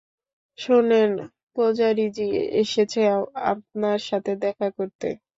শোনেন, পূজারি জি এসেছে আপনার সাথে দেখা করতে।